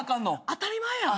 当たり前やん。